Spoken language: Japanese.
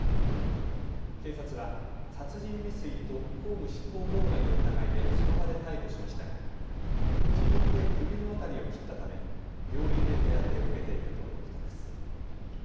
警察は殺人未遂と公務執行妨害の疑いでその場で逮捕しましたが自分で首の辺りを切ったため病院で手当てを受けているということです。